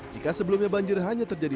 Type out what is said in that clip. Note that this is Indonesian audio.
jika sebelumnya banjir hanya terjadi